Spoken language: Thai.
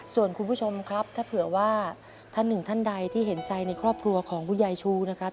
ส่วนคุณผู้ชมครับถ้าเผื่อว่าท่านหนึ่งท่านใดที่เห็นใจในครอบครัวของคุณยายชูนะครับ